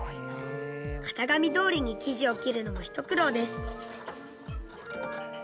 型紙どおりに生地を切るのも一苦労です。